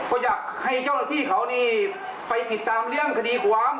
ก็อยากให้เจ้าหน้าที่เขานี่ไปติดตามเรื่องคดีความ